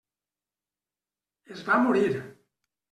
Es va morir.